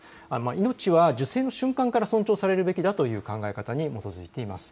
命は受精の瞬間から尊重されるべきだという考え方に基づいています。